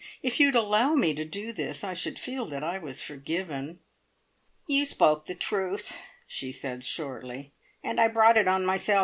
If you'd allow me to do this, I should feel that I was forgiven." "You spoke the truth," she said shortly. "And I brought it on myself.